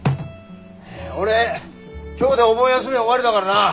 俺今日でお盆休み終わりだからな。